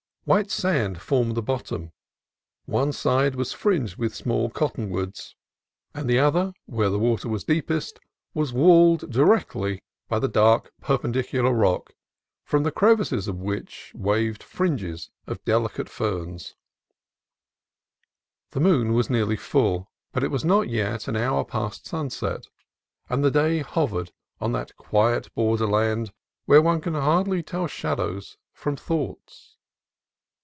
White sand formed the bottom; one side was fringed with small cottonwoods, and the 176 CALIFORNIA COAST TRAILS other, where the water was deepest, was walled di rectly by the dark, perpendicular rock, from the crevices of which waved fringes of delicate fern. The moon was nearly full, but it was not yet an hour past sunset, and the day hovered on that quiet borderland where one can hardly tell shadows from thoughts.